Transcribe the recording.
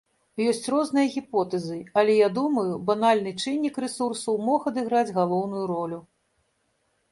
Ёсць розныя гіпотэзы, але я думаю, банальны чыннік рэсурсаў мог адыграць галоўную ролю.